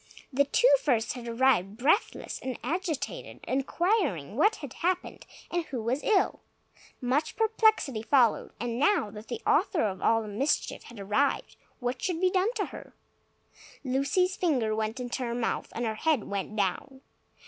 The two first had arrived, breathless and agitated, inquiring what had happened, and who was ill. Much perplexity followed. And now that the author of all the mischief had arrived, what should be done to her? Lucy's finger went into her mouth, and her head went down.